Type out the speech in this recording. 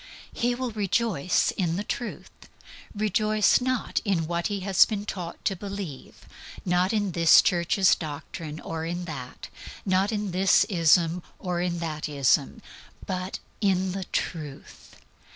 He will rejoice in the Truth rejoice not in what he has been taught to believe; not in this church's doctrine or in that; not in this ism or in that ism; but "in the Truth."